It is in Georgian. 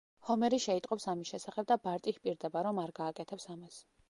ჰომერი შეიტყობს ამის შესახებ და ბარტი ჰპირდება, რომ არ გააკეთებს ამას.